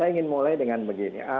saya ingin mulai dengan begini